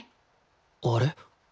あれ？